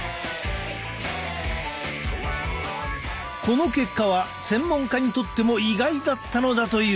この結果は専門家にとっても意外だったのだという。